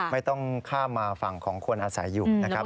ไม่ต้องข้ามมาฝั่งของคนอาศัยอยู่นะครับ